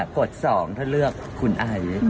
กฎ๒ถ้าเลือกคุณไอซ์